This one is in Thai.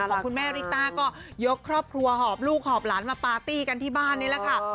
ของคุณแม่ริต้าก็ยกครอบครัวหอบลูกหอบหลานมาปาร์ตี้กันที่บ้านนี่แหละค่ะ